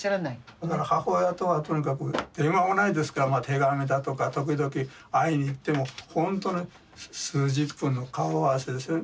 だから母親とはとにかく電話もないですから手紙だとか時々会いに行っても本当に数十分の顔合わせですね。